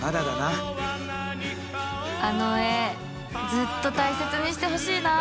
あの絵ずっと大切にしてほしいな。